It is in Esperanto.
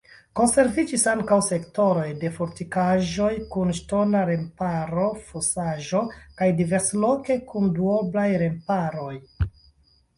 Konserviĝis ankaŭ sektoroj de fortikaĵoj kun ŝtona remparo, fosaĵo kaj diversloke kun duoblaj remparoj.